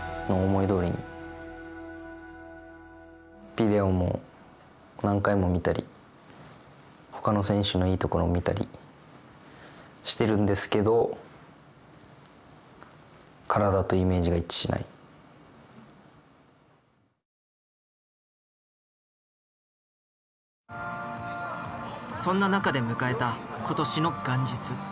ビデオも何回も見たりほかの選手のいいところを見たりしてるんですけどそんな中で迎えた今年の元日